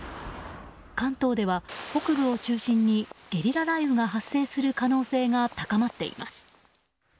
関東では、北部を中心にゲリラ雷雨が発生する可能性が高まっています。